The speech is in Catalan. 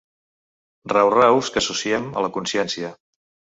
Rau-raus que associem a la consciència.